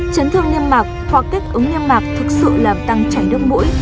chấn thương nghiêm mạc hoặc kết ứng nghiêm mạc thực sự làm tăng chảy đớp mũi